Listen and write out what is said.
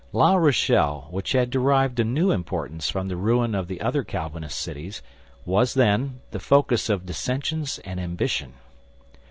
La Rochelle, which had derived a new importance from the ruin of the other Calvinist cities, was, then, the focus of dissensions and ambition.